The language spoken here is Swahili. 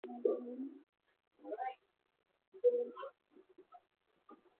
Juisi ya viazi ya viazi lishe